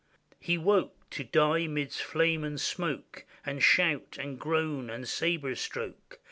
He woke — to die midst flame and smoke, And shout, and groan, and sabre stroke.